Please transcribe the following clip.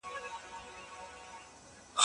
د تور سمندرګي غاړې يې هم تصرف کړې.